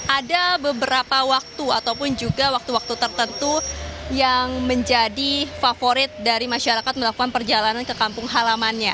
ada beberapa waktu ataupun juga waktu waktu tertentu yang menjadi favorit dari masyarakat melakukan perjalanan ke kampung halamannya